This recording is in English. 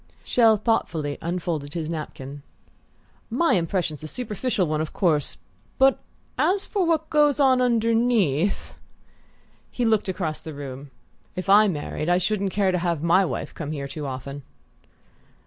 Chelles thoughtfully unfolded his napkin. "My impression's a superficial one, of course for as to what goes on underneath !" He looked across the room. "If I married I shouldn't care to have my wife come here too often."